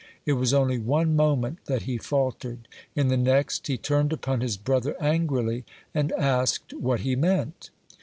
It was only one moment that he faltered. In the next he turned upon his brother angrily, and asked what he meant.